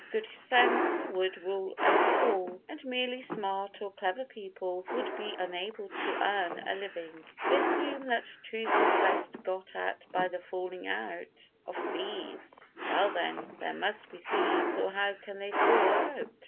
Good sense would rule over all, and merely smart or clever people would be unable to earn a living. They assume that truth is best got at by the falling out of thieves. "Well then, there must be thieves, or how can they fall out?